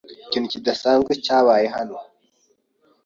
Ikintu kidasanzwe cyabaye hano.